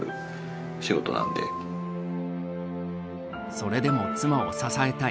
それでも妻を支えたい。